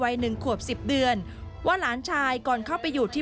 นี่คือคำยืนยันของนางสาวสุดารัฐฤทธิ์